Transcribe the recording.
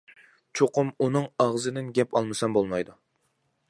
چوقۇم ئۇنىڭ ئاغزىدىن گەپ ئالمىسام بولمايدۇ.